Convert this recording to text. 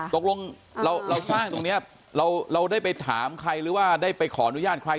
ตกลงเราสร้างตรงนี้เราได้ไปถามใครหรือว่าได้ไปขออนุญาตใคร